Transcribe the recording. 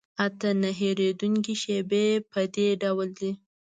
اته نه هېرېدونکي شیبې په دې ډول دي.